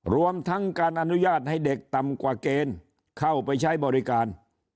รวมทั้งการอนุญาตให้เด็กต่ำกว่าเกณฑ์เข้าไปใช้บริการ